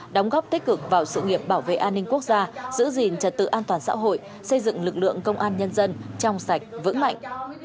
đóng góp tích cực vào sự nghiệp bảo vệ an ninh quốc gia giữ gìn trật tự an toàn xã hội xây dựng lực lượng công an nhân dân trong sạch vững mạnh